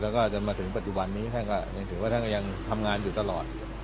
แล้วก็จนมาถึงปัจจุบันนี้ท่านก็ยังถือว่าท่านก็ยังทำงานอยู่ตลอด